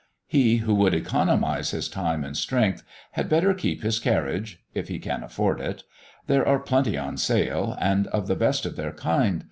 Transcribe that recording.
He who would economise his time and strength, had better keep his carriage if he can afford it; there are plenty on sale, and of the best of their kind.